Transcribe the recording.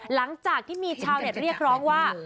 หลังจากที่มีชาวเน็ตเรียกร้องว่า